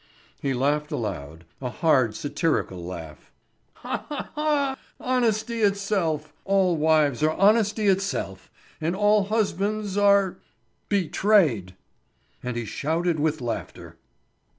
He laughed aloud, a hard, satirical laugh: "Ha! hah! Hah! Honesty itself! All wives are honesty itself—and all husbands are—betrayed." And he shouted with laughter.